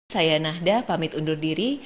saya nahda pamit undur diri